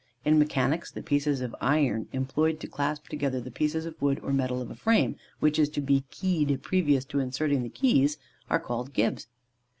In mechanics, the pieces of iron employed to clasp together the pieces of wood or metal of a frame which is to be keyed previous to inserting the keys, are called Gibs.